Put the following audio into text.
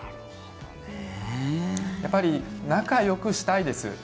やっぱり仲よくしたいです。